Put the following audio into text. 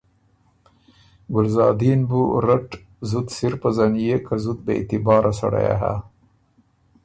ګلزادین بُو رټ زُت سِر پزنيېک که زُت بې اعتباره سړئ يې هۀ